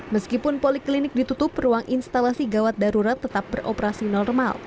meskipun poliklinik ditutup ruang instalasi gawat darurat tetap beroperasi normal